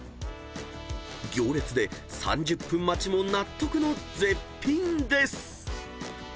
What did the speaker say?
［行列で３０分待ちも納得の絶品です！］